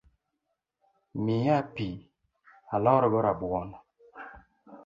Mia pi alorgo rabuon